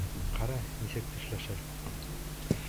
Ҡара, нисек тешләшә!